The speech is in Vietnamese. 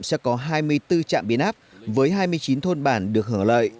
sẽ có hai mươi bốn trạm biến áp với hai mươi chín thôn bản được hưởng lợi